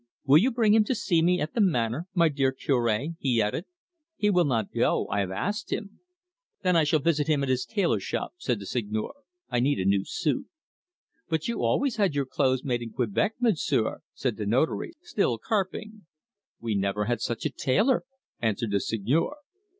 Will you bring him to see me at the Manor, my dear Cure?" he added. "He will not go. I have asked him." "Then I shall visit him at his tailor shop," said the Seigneur. "I need a new suit." "But you always had your clothes made in Quebec, Monsieur," said the Notary, still carping. "We never had such a tailor," answered the Seigneur.